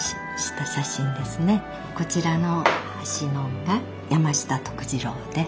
こちらの端のが山下徳治郎で。